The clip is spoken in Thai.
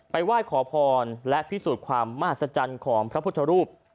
ไหว้ขอพรและพิสูจน์ความมหัศจรรย์ของพระพุทธรูป